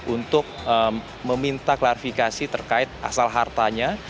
untuk meminta klarifikasi terkait asal hartanya